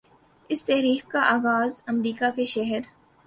اس تحریک کا آغاز امریکہ کہ شہر